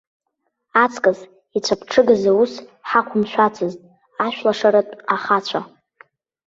Аҵкыс ицәаԥҽыгаз аус ҳақәымшәацызт ашәлашаратә ахацәа.